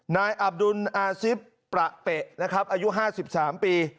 นายอับดุลอาซิปประเตะอายุ๕๓ปี